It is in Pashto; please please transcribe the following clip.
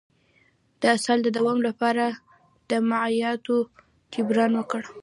د اسهال د دوام لپاره د مایعاتو جبران وکړئ